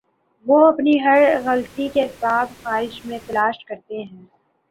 وہ اپنی ہر غلطی کے اسباب خارج میں تلاش کرتے ہیں۔